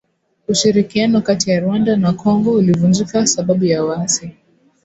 Ushirikiano kati ya Rwanda na Kongo ulivunjika sababu ya waasi.